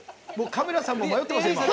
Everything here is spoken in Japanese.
カメラさんも迷ってます。